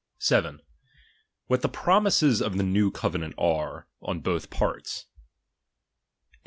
7. What the promises of the new covenant are, on both partB. 8.